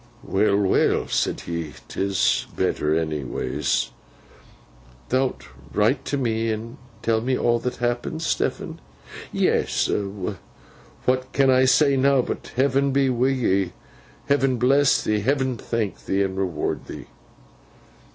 'Well, well,' said he. ''Tis better, onnyways.' 'Thou'lt write to me, and tell me all that happens, Stephen?' 'Yes. What can I say now, but Heaven be wi' thee, Heaven bless thee, Heaven thank thee and reward thee!